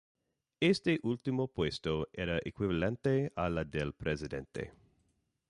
Este último puesto era equivalente a la del presidente.